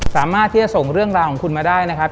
สามารถที่จะส่งเรื่องราวของคุณมาได้นะครับ